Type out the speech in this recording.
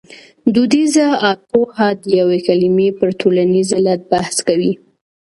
دودیزه ارپوهه د یوې کلمې پر ټولنیز علت بحث کوي